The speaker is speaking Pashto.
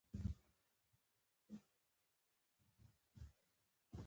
نو الله تعالی دې زموږ په شان د پټاکیو شوقي، نادیده